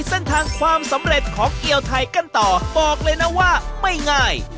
เส้นทางความสำเร็จของเกียวไทยกันต่อบอกเลยนะว่าไม่ง่าย